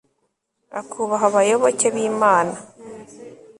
akubaha abayoboke b'imana